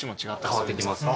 変わってきます。